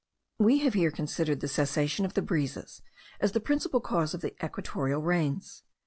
We have here considered the cessation of the breezes as the principal cause of the equatorial rains.